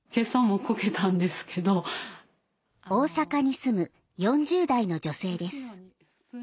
大阪に住む４０代の女性です。